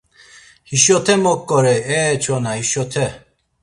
Hişote moǩorey e çona, hişote!